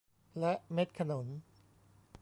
และเม็ดขนุน